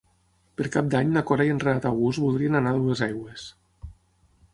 Per Cap d'Any na Cora i en Renat August voldrien anar a Duesaigües.